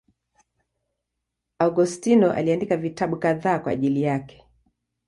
Augustino aliandika vitabu kadhaa kwa ajili yake.